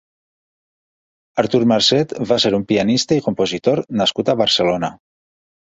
Artur Marcet va ser un pianista i compositor nascut a Barcelona.